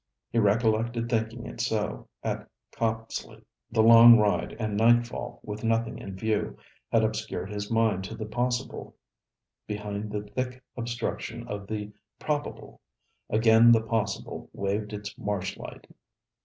He recollected thinking it so at Copsley. The long ride, and nightfall, with nothing in view, had obscured his mind to the possible behind the thick obstruction of the probable; again the possible waved its marsh light.